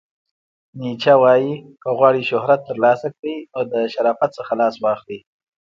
نیچه وایې، که غواړئ شهرت ترلاسه کړئ نو د شرافت څخه لاس واخلئ!